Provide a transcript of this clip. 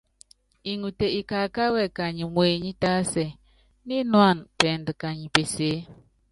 Iŋute ikakáwɛ kányi muenyí tásɛ, nínuána pɛɛndu kanyi pesèe.